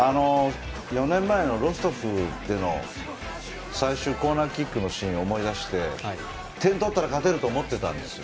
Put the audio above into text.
４年前のロストフでの最終コーナーキックのシーンを思い出して点を取ったら勝てると思ってたんです。